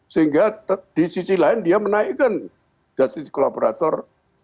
sehingga di sisi lain dia menaikkan justice collaborator